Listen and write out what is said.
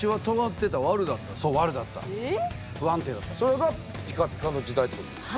それがピカピカの時代ってことですね。